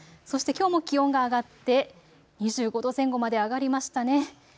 そしてきょうも気温が上がって２５度前後まで上がりましたね。